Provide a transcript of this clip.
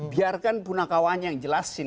biarkan punakawannya yang jelasin